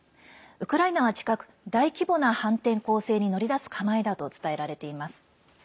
ウクライナは近く大規模な反転攻勢に乗り出す構えだと伝えられています。